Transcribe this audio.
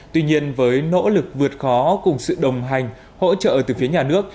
tuy nhiên với nỗ lực vượt khó cùng sự đồng hành hỗ trợ từ phía nhà nước